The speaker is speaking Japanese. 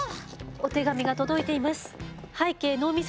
お手紙が届いています。